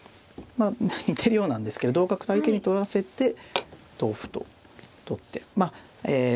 まあ似てるようなんですけど同角と相手に取らせて同歩と取ってまあえ